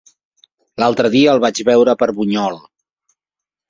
L'altre dia el vaig veure per Bunyol.